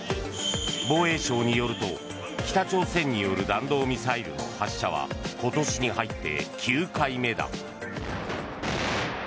防衛省によると北朝鮮による弾道ミサイルの発射は今年に入って９回目だ。